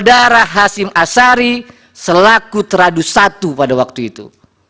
dan pak tengah sari selaku teradu satu pada waktu itu